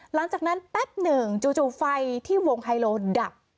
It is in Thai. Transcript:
หลังจากนั้นแป๊บหนึ่งจู่ไฟที่วงไฮโลดับ